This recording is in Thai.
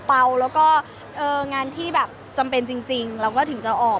แล้วก็งานที่แบบจำเป็นจริงเราก็ถึงจะออก